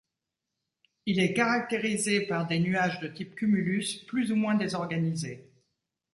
Il est caractérisé par des nuages de type cumulus plus ou moins désorganisés.